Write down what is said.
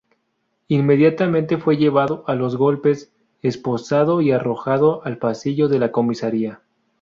Inmediatamente fue llevado a los golpes, esposado y arrojado al pasillo de la comisaría.